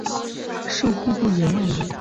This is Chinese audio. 授户部员外郎。